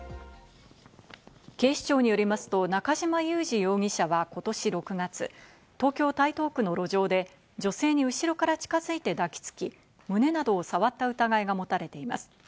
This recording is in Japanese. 警視庁によりますと中島優治容疑者は今年６月、東京・台東区の路上で女性に後ろから近づいて抱きつき、胸などを触った疑いが持たれています。